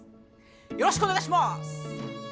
よろしくお願いします！